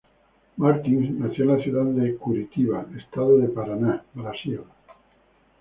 Martins nació en la ciudad de Curitiba, estado de Paraná, Brasil.